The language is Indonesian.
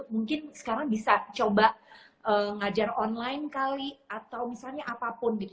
mungkin sekarang bisa coba ngajar online kali atau misalnya apapun gitu